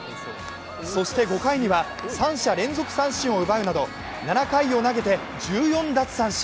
そして５回には３者連続三振を奪うなど、７回を投げて１４奪三振。